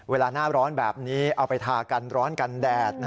เวลาหน้าร้อนแบบนี้เอาไปทากันร้อนกันแดด